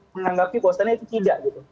menganggapi bahwasanya itu tidak gitu